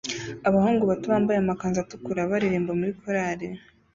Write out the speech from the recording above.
Abahungu bato bambaye amakanzu atukura baririmba muri korari